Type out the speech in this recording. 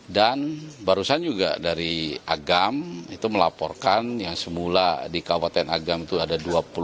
dan barusan juga dari agam itu melaporkan yang semula di kabupaten agam itu ada dua puluh